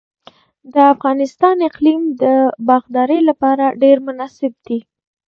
د افغانستان اقلیم د باغدارۍ لپاره ډیر مناسب دی.